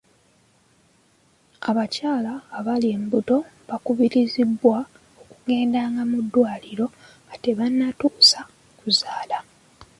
Abakyala abali embuto bakubirizibwa okugendanga mu ddwaliro nga tebannatuusa kuzaala.